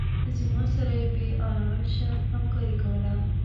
زما سره یې بې آلایشه همکاري کوله.